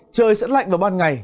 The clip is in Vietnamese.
trời sẽ lạnh vào ban ngày